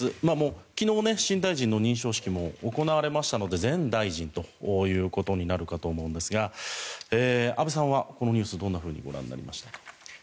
昨日、新大臣の認証式も行われましたので前大臣ということになるかと思うんですが安部さんはこのニュースどうご覧になりましたか？